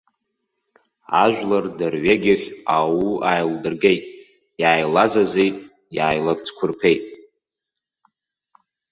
Ажәлар дырҩегьых ауу ааилдыргеит, иааилазазеит, иааилацәқәырԥеит.